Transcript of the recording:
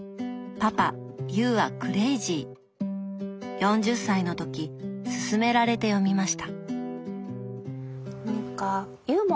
４０歳の時すすめられて読みました。